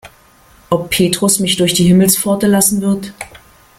Ob Petrus mich durch die Himmelspforte lassen wird?